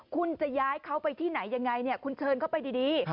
คุณจะย้ายเขาไปที่ไหนยังไงคุณเชิญเข้าไปดี